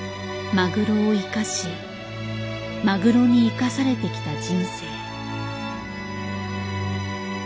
マグロを生かしマグロに生かされてきた人生。